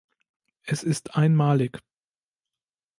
Es ist einmalig.